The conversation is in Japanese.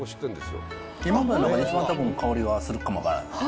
今までの中で一番香りはするかも分からない。